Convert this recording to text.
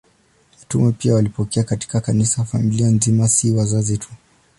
Mitume pia walipokea katika Kanisa familia nzima, si wazazi tu.